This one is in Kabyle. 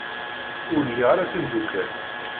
Ur liɣ ara timeddukal.